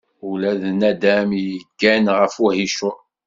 Ula d nadam yeggan ɣef uhicur.